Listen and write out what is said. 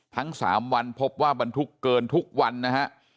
ทั้ง๓วันพบว่าบรรทุกเกินทุกวันนะฮะ